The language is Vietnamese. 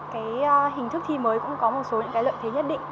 cái hình thức thi mới cũng có một số những cái lợi thế nhất định